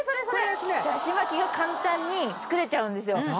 だし巻きが簡単に作れちゃうんですよ。